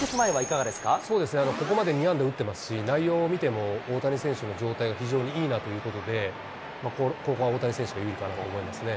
そうですね、ここまで２安打打ってますし、内容を見ても、大谷選手の状態が非常にいいなということで、ここは大谷選手が有利かなと思いますね。